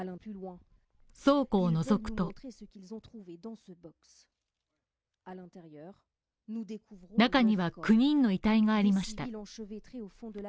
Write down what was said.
倉庫をのぞくと中には、９人の遺体がありました。